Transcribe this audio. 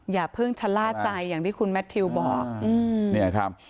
อย่าเพิ่งชะล่าใจอย่างที่คุณแมททิวบอกเนี่ยครับ